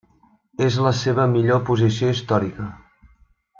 És la seva millor posició històrica.